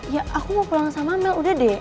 ya aku mau pulang sama mel udah deh